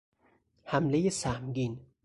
حملهی سهمگین